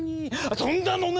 飛んだのね？